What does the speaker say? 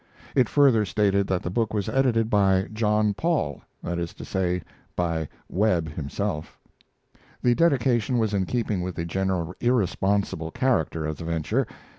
It further stated that the book was edited by "John Paul," that is to say by Webb himself. The dedication was in keeping with the general irresponsible character of the venture.